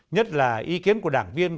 nhất là ý kiến của đảng viên